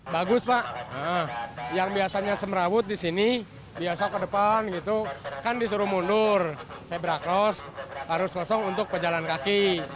bagus pak yang biasanya semerawut disini biasanya ke depan kan disuruh mundur sebrakos harus kosong untuk pejalan kaki